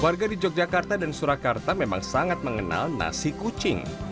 warga di yogyakarta dan surakarta memang sangat mengenal nasi kucing